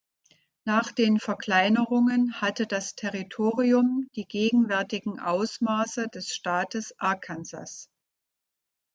Nach den Verkleinerungen hatte das Territorium die gegenwärtigen Ausmaße des Staates Arkansas.